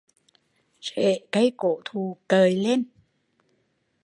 Rễ cây cổ thụ cợi lên